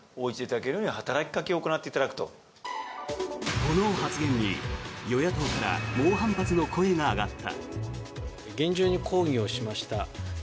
この発言に与野党から猛反発の声が上がった。